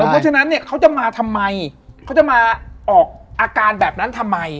เพราะฉะนั้นเนี่ยเขาจะมาทำไมเขาจะมาออกอาการแบบนั้นทำไม